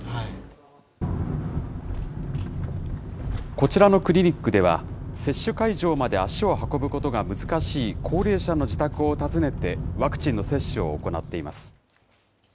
こちらのクリニックでは、接種会場まで足を運ぶことが難しい高齢者の自宅を訪ねて、ワクチンの接種を行っています。